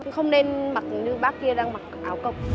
không nên mặc như bác kia đang mặc áo cộng